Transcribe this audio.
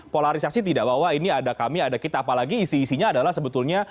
polarisasi tidak bahwa ini ada kami ada kita apalagi isi isinya adalah sebetulnya